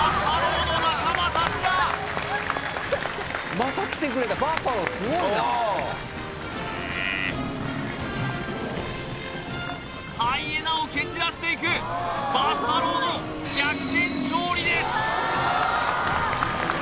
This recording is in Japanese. また来てくれたバッファローすごいなハイエナを蹴散らしていくバッファローの逆転勝利です